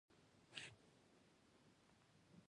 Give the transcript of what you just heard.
افغانستان د خپلو پسونو له پلوه ځانګړتیاوې لري.